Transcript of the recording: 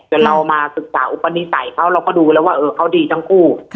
แต่เรามาศึกษาอุปนิสัยเขาเราก็ดูแล้วว่าเขาดีทั้งคู่